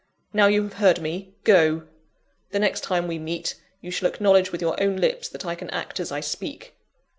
Now you have heard me, go! The next time we meet, you shall acknowledge with your own lips that I can act as I speak.